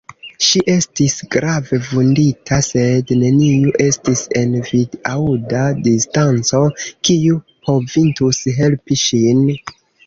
Ŝi estis grave vundita, sed neniu estis en vid-aŭda distanco, kiu povintus helpi ŝin.